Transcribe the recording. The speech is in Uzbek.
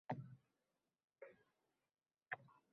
jadal o‘sganiga guvoh bo‘lamiz.